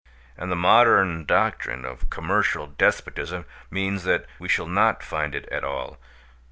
And the modern doctrine of commercial despotism means that we shall not find it at all.